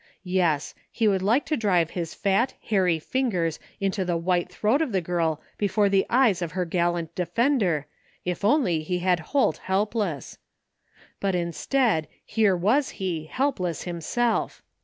Yes, he would like to drive his fat, hairy fingers into the white throat of the girl before the eyes of her gal lant defender if only he had Holt helpless ! But instead, here was he, helpless himself!